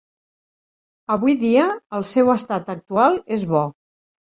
Avui dia el seu estat actual és bo.